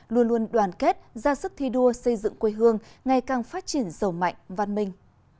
luôn luôn đoàn kết ra sức thi đua xây dựng quê hương ngày càng phát triển giàu mạnh văn minh